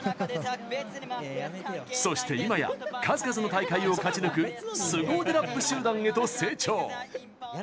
そして今や、数々の大会を勝ち抜く凄腕ラップ集団へと成長。